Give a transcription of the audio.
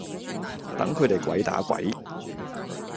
等佢地鬼打鬼